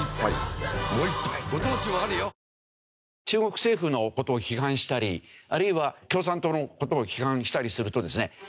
中国政府の事を批判したりあるいは共産党の事を批判したりするとですね